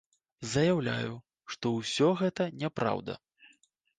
Заяўляю, што ўсё гэта няпраўда.